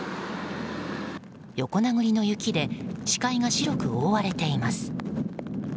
横殴りの雪で視界が白く覆われています。